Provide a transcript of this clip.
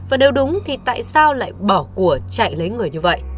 và nếu đúng thì tại sao lại bỏ của chạy lấy người như vậy